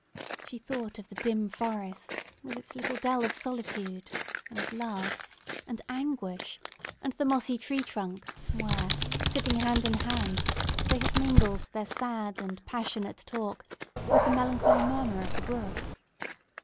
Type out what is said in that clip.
She thought of the dim forest, with its little dell of solitude, and love, and anguish, and the mossy tree trunk, where, sitting hand in hand, they had mingled their sad and passionate talk with the melancholy murmur of the brook.